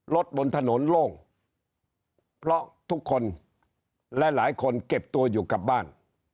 บนถนนโล่งเพราะทุกคนและหลายคนเก็บตัวอยู่กับบ้าน